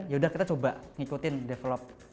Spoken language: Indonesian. yaudah kita coba ngikutin develop